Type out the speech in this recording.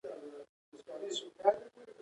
دریم په چارو کې د تخصص اصل دی.